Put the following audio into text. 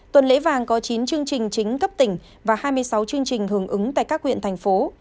tuần lễ vàng có chín chương trình chính cấp tỉnh và hai mươi sáu chương trình hưởng ứng tại các huyện thành phố